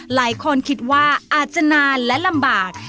หลายคนคิดว่าอาจจะนานและลำบาก